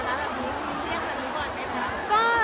แต่หนูเวอหน้าเค้าที่เค้าแบบ